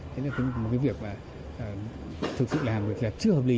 thế là cái việc thực sự làm việc là chưa hợp lý